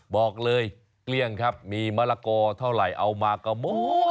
บอกเลยเกลี้ยงครับมีมะละกอเท่าไหร่เอามาก็หมด